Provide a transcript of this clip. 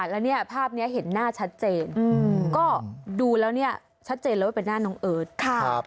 แล้วเนี่ยภาพนี้เห็นหน้าชัดเจนก็ดูแล้วเนี่ยชัดเจนเลยว่าเป็นหน้าน้องเอิร์ท